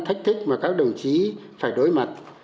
thách thức mà các đồng chí phải đối mặt